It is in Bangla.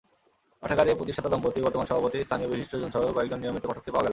পাঠাগারে প্রতিষ্ঠাতা দম্পতি, বর্তমান সভাপতি, স্থানীয় বিশিষ্টজনসহ কয়েকজন নিয়মিত পাঠককে পাওয়া গেল।